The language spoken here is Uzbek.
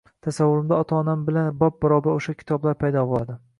tasavvurimda ota-onam bilan bab-barobar o‘sha kitoblar paydo bo‘ladi.